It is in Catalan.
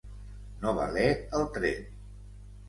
No valer el tret.